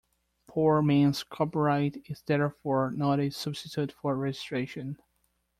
Poor man's copyright is therefore not a substitute for registration.